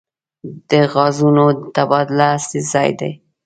د غازونو تبادله اصلي ځای دی.